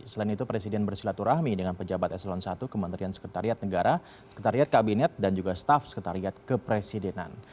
selain itu presiden bersilaturahmi dengan pejabat eselon i kementerian sekretariat negara sekretariat kabinet dan juga staff sekretariat kepresidenan